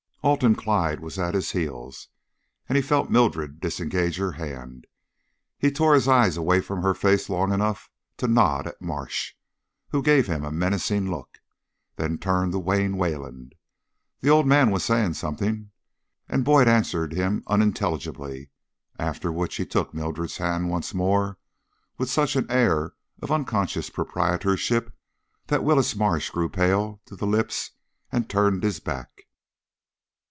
Alton Clyde was at his heels, and he felt Mildred disengage her hand. He tore his eyes away from her face long enough to nod at Marsh, who gave him a menacing look, then turned to Wayne Wayland. The old man was saying something, and Boyd answered him unintelligibly, after which he took Mildred's hands once more with such an air of unconscious proprietorship that Willis Marsh grew pale to the lips and turned his back.